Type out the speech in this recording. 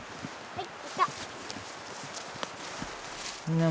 はい！